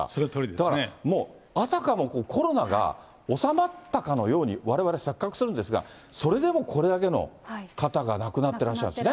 だから、あたかもコロナが収まったかのように、われわれ錯覚するんですが、それでもこれだけの方が亡くなってらっしゃるんですね。